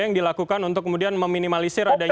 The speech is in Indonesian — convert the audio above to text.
yang dilakukan untuk kemudian meminimalisir adanya